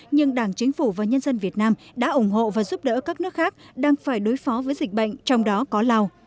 nhưng đảng chính phủ và nhân dân việt nam đã ủng hộ và giúp đỡ các nước khác đang phải đối phó với dịch bệnh trong đó có lào